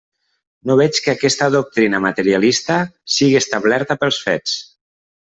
No veig que aquesta doctrina materialista sigui establerta pels fets.